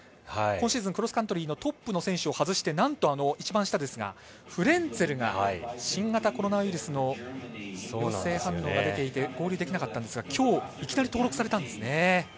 今シーズンクロスカントリートップの選手を外してなんと、フレンツェルが新型コロナウイルスの陽性反応が出ていて合流できなかったんですがきょういきなり登録されたんですね。